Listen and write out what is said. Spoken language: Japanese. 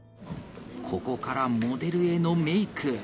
ここからモデルへのメイク。